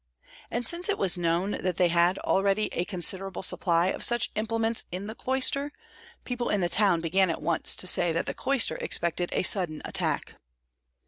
And since it was known that they had already a considerable supply of such implements in the cloister, people in the town began at once to say that the cloister expected a sudden attack.